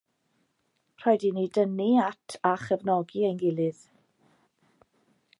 Rhaid i ni dynnu at a chefnogi ein gilydd.